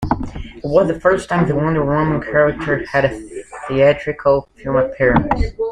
It was the first time the Wonder Woman character had a theatrical film appearance.